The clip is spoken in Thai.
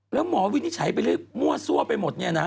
แล้วหมอวิจัยมั่วสั่วไปหมดหนินี่นะ